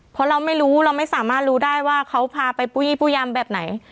เพราะเราไม่รู้เราไม่สามารถรู้ได้ว่าเขาพาไปปู้ยี่ปุ้ยำแบบไหน